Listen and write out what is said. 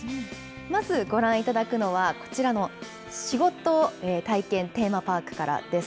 まずご覧いただくのは、こちらの仕事体験テーマパークからです。